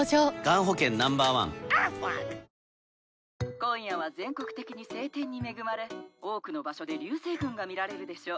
今夜は全国的に晴天に恵まれ多くの場所で流星群が見られるでしょう。